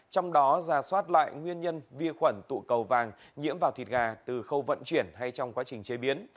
trong đó giả soát lại nguyên nhân vi khuẩn tụ cầu vàng nhiễm vào thịt gà từ khâu vận chuyển hay trong quá trình chế biến